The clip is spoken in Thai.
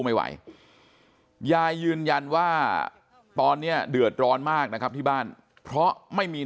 ไม่ไหวยายยืนยันว่าตอนนี้เดือดร้อนมากนะครับที่บ้านเพราะไม่มี